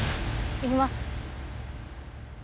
いきます！